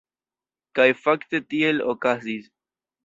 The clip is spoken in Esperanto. Kaj fakte tiel okazis.